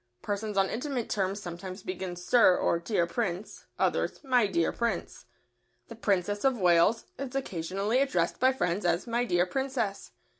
Persons on intimate terms sometimes begin "Sir" or "Dear Prince," others "My dear Prince." The Princess of Wales is occasionally addressed by friends as "My dear Princess."